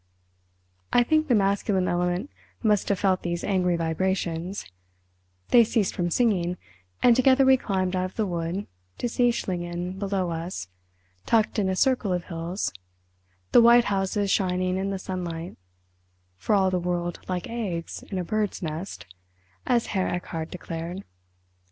I think the masculine element must have felt these angry vibrations: they ceased from singing, and together we climbed out of the wood, to see Schlingen below us, tucked in a circle of hills, the white houses shining in the sunlight, "for all the world like eggs in a bird's nest", as Herr Erchardt declared.